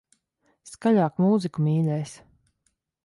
Skaļāk mūziku, mīļais.